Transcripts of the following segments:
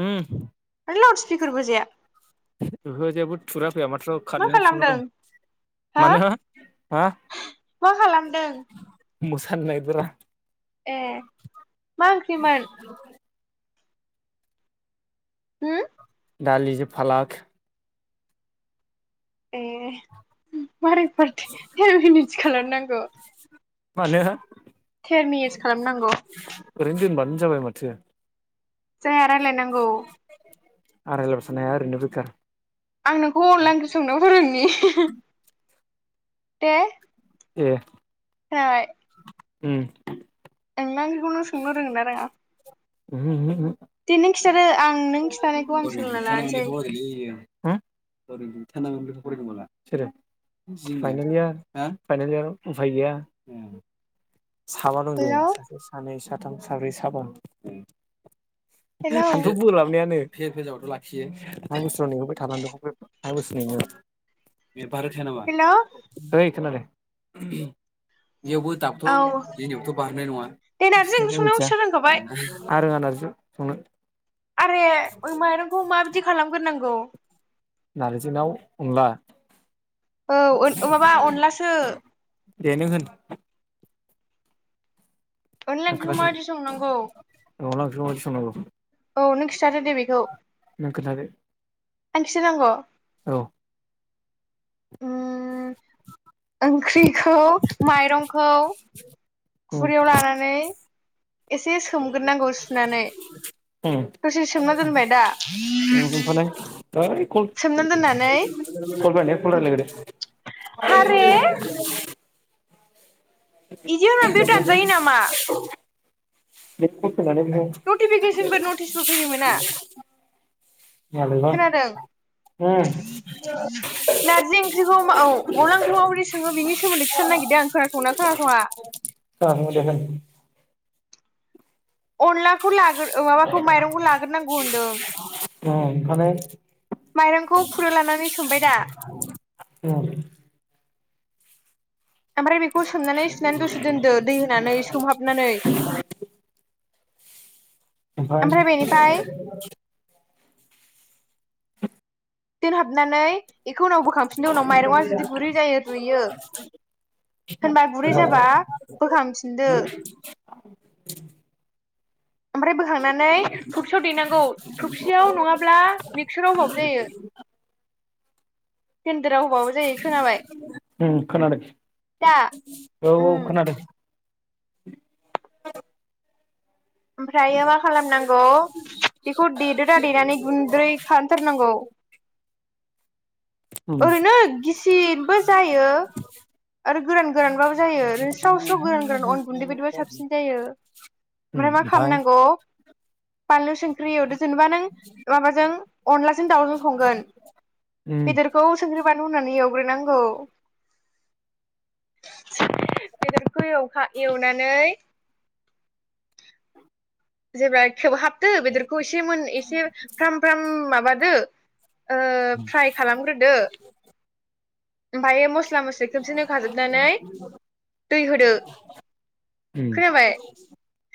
उम लाउड स्पिकारबो होजाया। ओहो जेबो थुग्रा फैया माथ्र' मा खारनाय अपसनल' खालामदों दं। हो मानो हा मा खालामदों मोसानो नागिरदों रा। ए मा ओंख्रिमोन? होम दालिजों फालाक। ए मारै फार थेर' मिनिट खालामनांगौ। मानो थेर मिनितस खालामनांगौ। ओरैनो दोनबानो जाबाय माथो। जाया रायलायनांगौ। आं रायलायबाय थानो हाया ओरैनो बेखार। आं नोंखौ अनला ओंख्रि संनो फोरोंनि। दे ए खोनाबाय ओम अनला ओंख्रिखौ नों संनो रोंङो ना रोङा? ओमहो ओमहो दे नों खिथादो आं नों खिथानायखौ आं ओमहो [unintelligible] हो सोलोंना लानोसै [unintelligible] सोरो फाइनालनिया ओ फाइनालनिया उफाय गैया साबा दं जों हेलौ सासे सानै साथाम साब्रै साबा हेलौ हानथुआव बौलाबनायानो फेल जाबाथ' लाखियो थांनाय बोसोराव नेहोबाय थानांदों थांनाय बोसोरनिमोन हेलौ [unintelligible] ओइ खोनादों बेयावबो औ दाबोथ' जोंनियावथ' बारहोनाय नङा दे नारजि ओंख्रि संनायखौ मिथिया खिथा रोंखाबाय आं रोङा नारजि संनो आरे ओइ माइरंखौ माबायदि खालामग्रोनांगौ नारजिना अनला? औ ओन ओ माबा अनलासो दे नों होन अनला आं ओंख्रिखौ माबायदि संनांगौ? बेखौ मा बादि संनांगौ? औ नों खिन्थादो दे बेखौ नों खिनथादो आं खिथानांगौ औ उम ओंख्रिखौ माइरंखौ उम खुरैयाव लानानै एसे सोमगोरनांगौ सुनानै ओम दसे सोमना दोनबाय दा [unintelligible] है कल सोमना कल दोननानै [unintelligible] कल रायलायगोन हारे दे [inaudible] इदि होननानै बेयाव दानजायो नामा? बे कल फैनानै नोङो नटिफिकेसनबो नटिसबो फैनो मोना मालायबा खोनादों नारजि ओंख्रिखौ मा औ अनला ओंख्रिखौ माबोरै सङो बिनि सोमोन्दै खिथानो नागिरदों आं खोनासंङोना खोनासङा अनलाखौ लागोर ओ माबाखौ माइरंखौ लागोरनांगौ होनदों उम खोनासं दे माइरंखौ खुरैआव लानानै सोमबाय दा होन उम ओमफ्राय बेखौ सोमनानै सुनानै दसे दोनदो दै होनानै सोमहाबनानै ओमफ्रायलाय उम ओमफ्राय बेनिफ्राय दोनहाबनानै बेखौ उनाव बोखांफिनददों उनाव माइरङा जुदि गुरै जायो रुइयो होनबा गुरै जाबा बोखांफिनदो [inaudible] ओमफ्राय बोखांनानै थफसियाव दैेनांगौ थफसियाव नङाब्ला मिक्साराव होबाबो जायो। केनदेराव होबाबो जायो खोनाबाय उम खोनादों दा औ उम औ खोनादों [inaudible] ओमफ्रायो मा खालामनांगौ बेखौ देदोदा देनानै गुन्द्रै खालामथारनांगौ उम ओरैनो गिसियैबो जायो। आरो गोरान गोरानबाबो जायो ओरैनो स्राव स्राव गोरान गोरान अन गुन्दै बायदिबा साबसिन जायो। ओमफ्राय मा ओमफ्राय खालामनांगौ बानलु सं ख्रि एवदो जेनेबा नों माबाजों अनलाजोंनो दाउजों संगोन उम बेदरखौ संख्रि बालु होननानै एवग्रोनांगौ बेदरखौ एखा एवनानै जेब्ला खेब हाबदो बेदरखौ एसे मोन एसे फ्राम फ्राम माबा ओ फ्राय खालामग्रोदो ओमफ्राय मस्ला मस्लि खोमसे होखाजोबनानै दै होदो। उम खोनाबाय?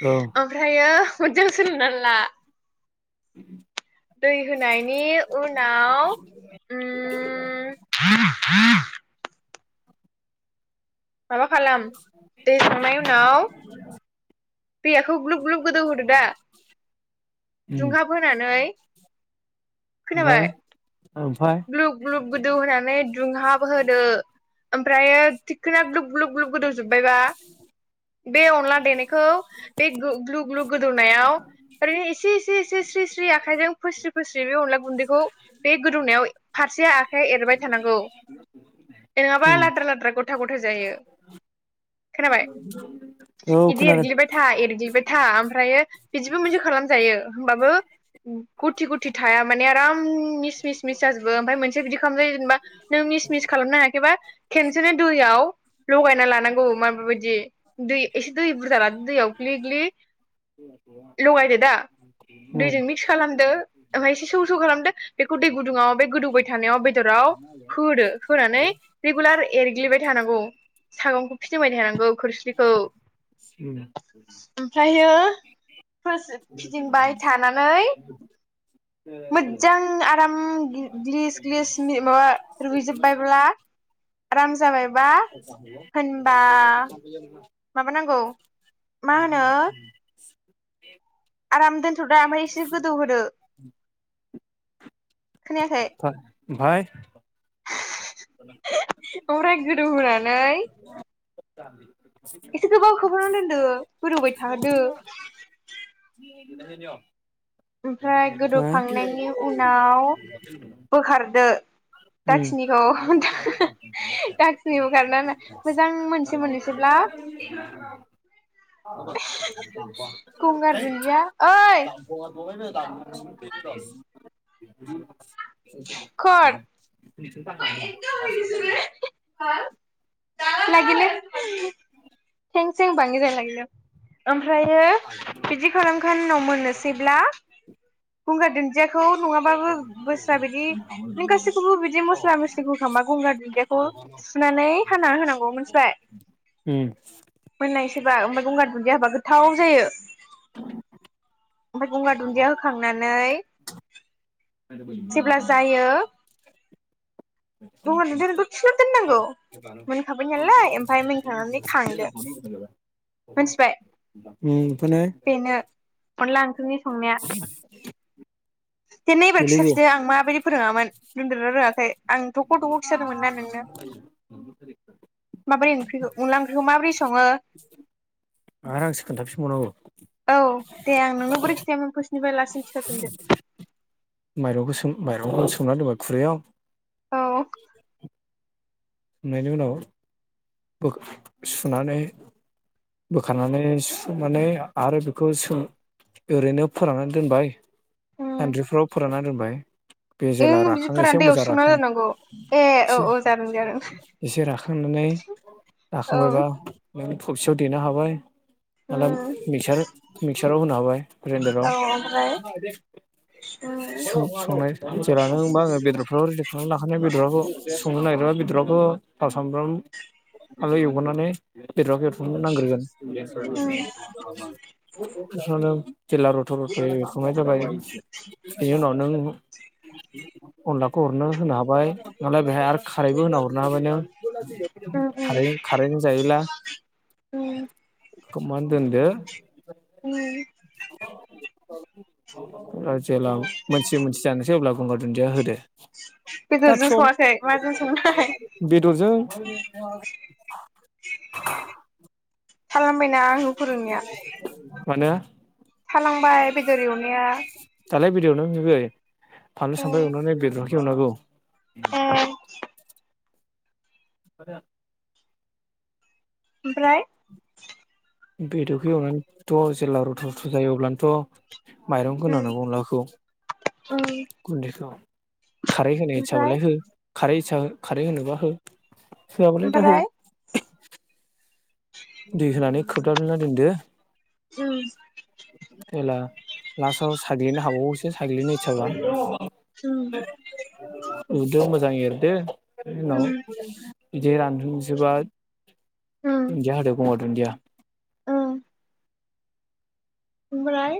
औ ओमफ्रायो मोजां सोलोंना ला। [inaudible] दै होनायनि उनाव उम [inaudible] माबा खालाम दै होखांनायनि उनाव दैयाखौ ग्लुब ग्लुब गोदौहरदो दा उम दुंहाब होनानै ओमफ्राय खोनाबाय? ओमफाय ग्लुब ग्लुब गोदौ होनानै दुंहाब होदो ओमफ्रायो थिखोना ग्लुब ग्लुब ग्लुब गोदौ जोबबायबा बे अनला देनायखौ बे ग्लु ग्लु गोदौनायाव ओरैनो एसे एसे एसे स्रि स्रि आखाइजों फोस्रि फोस्रि बे अनला गुन्दैखौ बे गोदौनायाव फारसेआ आखाइ एरबाय थानांगौ। नङाबा उम लाद्रा लाद्रा गथा गथ जायो। [inaudible] औ बिदि खोनादों एरग्लिबाय था एरग्लिबाय था ओमफ्रायो बिदिबो मोनसे खालाम जायो। होमबाबो गुथि गुथि थाया माने आराम मिस मिस मिस जाजोबो ओमफ्राय मोनसे बिदि खालाम जायो जेनबा खेनसेनो दैयाव गलायना लानांगौ माबाबायदि दै एसे दै बुरजा लादो दैयाव ग्लिग्लि लगायदो दा उम दैजों मिक्स खालाम दो ओमफ्राय एसे सौ सौ खालामदों बेखौ दै गुदुङाव बे गोदौबाय थानायाव बे दराव होदो होनानै रेगुलार एरग्लिबाय थानांगौ सागंखौ। फिदिंबायनो थानांगौ खोरस्लिखौ उम ओमफ्रायो फिदिंबाय थानानै मोजां आराम ग्लिस ग्लिस माबा रुइजोबबायब्ला आराम जाबाय [unintelligible] माबा नांगौ मा होनो [inaudible] आराम दोनथ'दा ओमफ्राय एसे गोदौ होदो। खोनायाखै? ओमफाय [inaudible] ओमफ्राय गोदौ होनानै [inaudible] एसे गोबाव खोबनानै दोनदो गोदौबाय थाहोदो। [unintelligible] ओमफ्राय ओमफाय गोदौखांनायनि उनाव बोखारदो। उ [unintelligible] [unintelligible] दाखिनिखौ दाखिनि बोखारनानै मोजां मोनसै मोननोसैब्ला गंगार दुन्दिया ओइ [unintelligible] [unintelligible] खर [unintelligible] [unintelligible] [unintelligible] ओमफ्रायो बिदि खालामखांना उनाव मोननोसैब्ला गंगार दुन दुन्दियाखौ नङाबाबो बोस्रा बिदि नों गासिखौबो बिदि मस्ला मस्लि होखा गंगार दुन्दियाखौ सुनानै हाना होनांगौ। मोनथिबाय? उम। मोननायसैबा ओमफ्राय गंगार दुन्दिया होबा गोथाव जायो। [inaudible] ओमफ्राय गंगार दुन्दिया होखांनानै जेब्ला जायो दङ दाथ' खिथु दोननांगौ उम मोनखाबाय नालाय ओमफ्राय मोनखांनानै खांदो। मिथिबाय बेनो [unintelligible] अनला ओंख्रि [inaudible] दे नै एबार देलायबो खिथाफिनदो आं माबायदि फोरोङामोन रोंदोंना रोङाखै आं थख' थख' खिथादोंमोन ना नोंनो [inaudible] माबोरै ओंख्रिखौ अनला ओंख्रिखौ माबोरै सङो आरो आंसो खोन्थाफिनबावनांगौ। औ दे आं नोंनो बोरै खिथायोमोन फासनिफ्राय लाससिम खिन्थाफिनदो। माइरंखौ सोम माइरं सोमना दोनबाय खुरैआव औ संनायनि उनाव बख सुनानै बोखानानै सुनानै आरो बेखौ सोम ओरैनो फोराननानै दोनबाय उम सानद्रिफ्राव फोराननानै दोनबाय बे जेला ओं राखाङो एसे बिदिफोरानो दैयाव मोजां सोमना राखाङो दोननांगौ ए औ औ जादों जादों एसे राखांनानै औ राखांबायबा उम थुबसियाव देनो हाबाय माला मिसार मिक्साराव होनो हाबाय ग्राइन्दाराव औ ओमफ्राय उम संनाय जेलानो बा आङो बेदरफ्राव सुनानै लाखानाय बेदराव संनो नटगिरनायाव थाव सामब्राम आलु एवग्रोनानै उम [unintelligible] जिल्ला रथ' रथ' एवखांनाय जाबाय बेनि उनाव नों अनलाखौ हरनो होनो हाबाय नालाय बेहाय आरो खारैबो होना हरनो हाबायनो उम उम खारै खारैजों जायोला उम उम खोमान दोनदो [inaudible] [inaudible] जेब्ला मोनसै मोनसै जानोसै अब्ला गंगार दुन्दिया होदो। दा बेदरजों दं सङाखै माजों संनाय बेदरजों म [unintelligible] खालामबायना आंखो फोरोंनाया मानो थालांबाय बेदर एवनाया थालाय बि नै फानलु उम सामब्राम एवनानै बेदरखौ एवनांगौ। उम बे ओमफ्राय बेदरखौ एवनानैथ' जेब्ला रथ' रथ' जायो अब्लानोथ' माइरं उम होनाहोनांगौ अनलाखौ उम गुन्दैखौ खारै होनाय ओमफ्राय इसाबालाय हो खारैसा खारै होनोब्ला हो थोयाब्लालाय दा हो ओमफ्राय खोबथाबना दोनदो उम जेला लास्टआव साग्लिनो हाबावोसो साग्लिनो इसाबा। औ एरदो मोजां एरदो उनाव उम बिदि रानहुंसोबा उम दोनदिया होदो गंगार दोन्दिया उम ओमफ्राय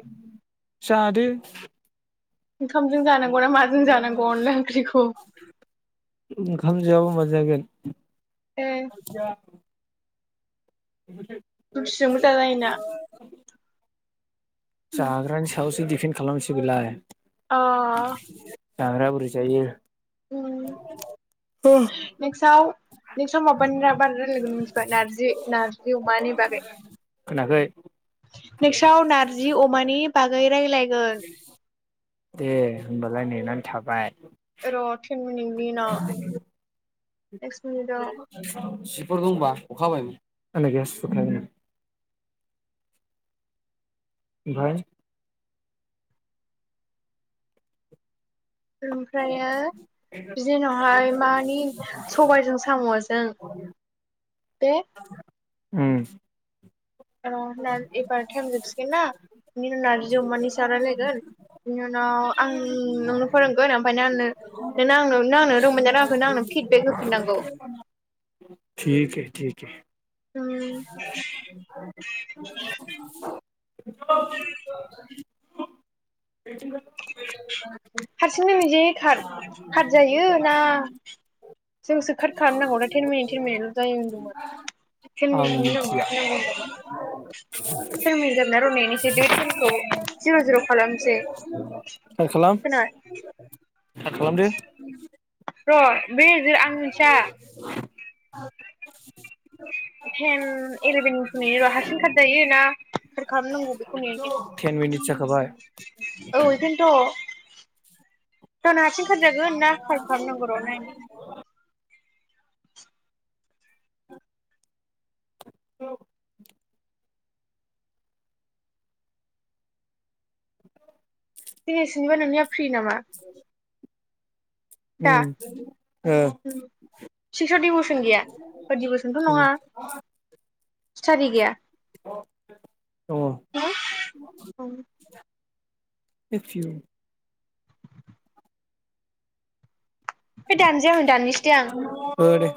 जादो ओंखामजों जानांगौ ना माजों जानांगौ अनला ओंख्रिखौ ए जों जों मोजां जायोना जाग्रानि सायावसो दिफेन्ड खालामसै बेलाय। अ जाग्रा बुरै जायो। उम नेक्स्ट समाव माबानिना रायजलायगोन मिथिबाय नारजि नार्जि अमानि बागै। खोनाखै नोंसाव नारजि अमानि बागै रायज्लायगोन। दे होमबालाय नेनानै थाबाय। र' थेन मिनिटनि उनाव ना एक्सट मिनिटआव। सिफोरखौ होनबा अखा हाबाय। ओमफ्राय ओमफ्रायो बिदि उनावहाय मानि सबायजों साम'जों बे उम होनना एबार टाइमजोबसिगोन ना बिनि उनाव नारजि अमानि जौनि रायलायगोन बिनि उनाव आं नोंनो फोरोंगोन ओमफ्रायनो आंनो नों आं आंनो रंमोन दा आंखौनो आंनो। फिडबेक होफिननांगौ थिक हे थिक हे उम [inaudible] [inaudible] हारसिंनो निजि खारजायो ना जोंसो खा खालामनांगौ दा थेर मै थेनमनैल' जायो होनदोंमोन खै जाब आं मिथिया रनायनिसटखौ जिर' जिर' खालामसै ह खालाम खालाम खोनाबाय सा खालामदो। र' बे जि आं मिथिया। टेन इलेभेनखौ नेनि र' हारसिं खाट जायो ना सोर खालामनांगौ बेखौ नेनि टेन मिनिटस जाखाबाय। औ एखायनोथ'। गावनो हारसिं खाट जागोन ना फार खालामनांगौ र' नायनि औ [inaudible] दिनै सुनिबार नोंनिया फ्रि नामा? औ दा ओ सिक्सआव दिभसन गैया ओ दिभसन थ' नङा। स्टाडि गैया। दङ' [inaudible] बे दानजैआ दाननिसै दै आं। ओ दे